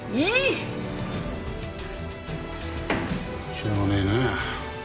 しょうがねえな。